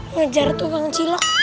ngejar tuh bang cilok